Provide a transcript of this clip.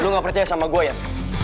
lu ga percaya sama gua yan